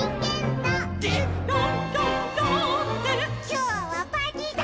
「きょうはパーティーだ！」